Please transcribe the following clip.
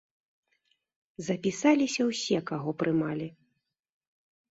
Запісаліся ўсе, каго прымалі.